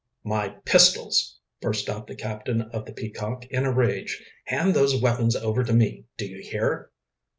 "My pistols!" burst out the captain of the Peacock, in a rage. "Hand those weapons over to me, do you hear?"